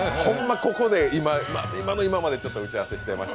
ここで今の今まで打ち合わせしてました。